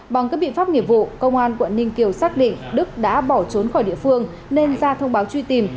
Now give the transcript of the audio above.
bằng các biện pháp nghiệp vụ công an quận ninh kiều xác định đức đã bỏ trốn khỏi địa phương nên ra thông báo truy tìm